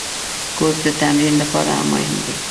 کورس د تمرین لپاره مهم دی.